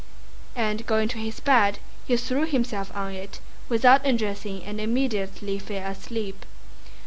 And going to his bed he threw himself on it without undressing and immediately fell asleep.